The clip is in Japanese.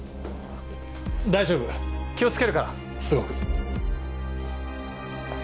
大丈夫気を付けるからすごく。